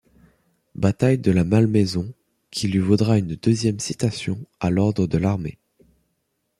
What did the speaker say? Bataille de la Malmaison, qui lui vaudra une deuxième citation à l'ordre de l'Armée.